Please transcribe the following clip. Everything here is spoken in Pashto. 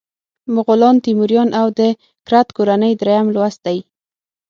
مغولان، تیموریان او د کرت کورنۍ دریم لوست دی.